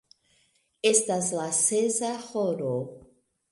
Estas la sesa horo.